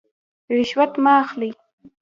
رشوت مه اخلئ